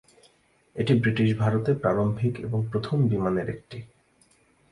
এটি ব্রিটিশ ভারতে প্রারম্ভিক এবং প্রথম বিমানের একটি।